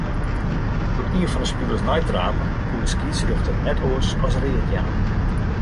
Doe't ien fan 'e spilers neitrape, koe de skiedsrjochter net oars as read jaan.